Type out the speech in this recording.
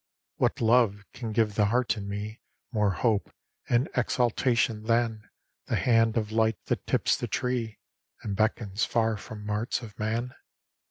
What love can give the heart in me More hope and exaltation than The hand of light that tips the tree And beckons far from marts of man?